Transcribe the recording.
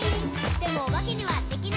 「でもおばけにはできない。」